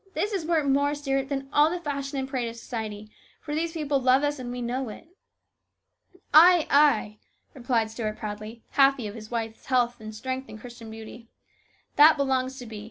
This is worth more, Stuart, than all the fashion and parade of society ; for these people love us and we know it." "Ay, ay," replied Stuart proudly, happy of his wife's health and strength and Christian beauty. "' That belongs to be.'